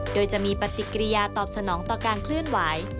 โดยจะมีปฏิกิริยาตอบสนองต่อการเคลื่อนไหว